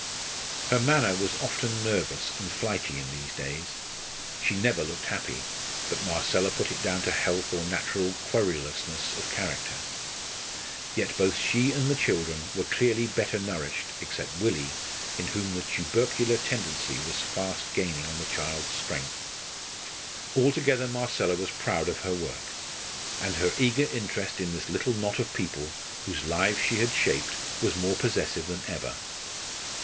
Her manner was often nervous and flighty in these days. She never looked happy; but Marcella put it down to health or natural querulousness of character. Yet both she and the children were clearly better nourished, except Willie, in whom the tubercular tendency was fast gaining on the child's strength. Altogether Marcella was proud of her work, and her eager interest in this little knot of people whose lives she had shaped was more possessive than ever.